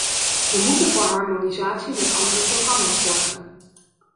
Wij moeten voor harmonisatie met andere programma's zorgen.